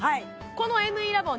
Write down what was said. このＭＥラボン